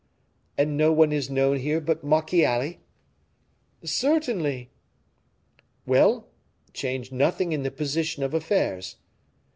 "And no one is known here but Marchiali?" "Certainly." "Well; change nothing in the position of affairs.